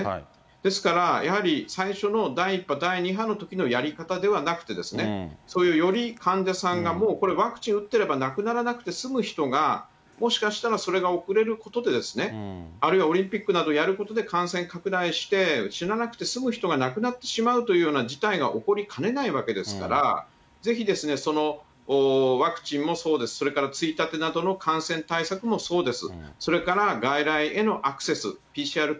ですから、やはり、最初の第１波、第２波のときのやり方ではなくて、そういうより患者さんが、もうこれ、ワクチンを打ってれば、亡くならなくて済む人が、もしかしたらそれが遅れることで、あるいはオリンピックなどやることで、感染拡大して死ななくて済む人が亡くなってしまうというような事態が起こりかねないわけですから、ぜひですね、ワクチンもそうです、それからついたてなどの感染対策もそうです。